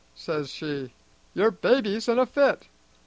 says she. 'Your baby's in a fit!'